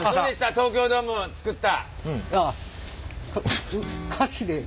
東京ドーム作った。